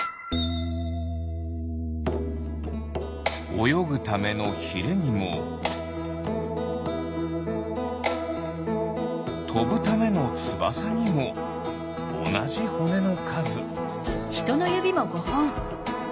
およぐためのヒレにもとぶためのつばさにもおなじほねのかず。